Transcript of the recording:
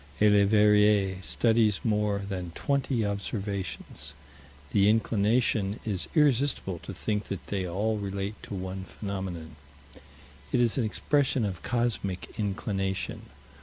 A Leverrier studies more than twenty observations. The inclination is irresistible to think that they all relate to one phenomenon. It is an expression of cosmic inclination.